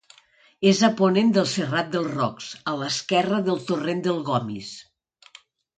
És a ponent del Serrat dels Rocs, a l'esquerra del torrent del Gomis.